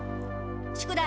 宿題。